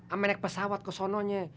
amen naik pesawat ke sononya